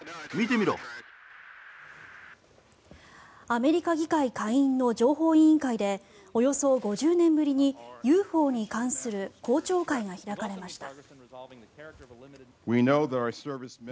アメリカ議会下院の情報委員会でおよそ５０年ぶりにＵＦＯに関する公聴会が開かれました。